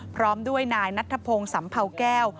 พร้อมด้วยนายนัทพงศ์สัมเภาแก้ว